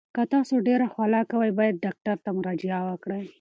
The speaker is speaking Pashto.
که تاسو ډیر خوله کوئ، باید ډاکټر ته مراجعه وکړئ.